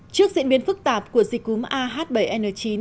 trước diễn biến phức tạp của dịch cúm ah bảy n chín